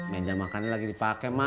meja makan lagi dipake ma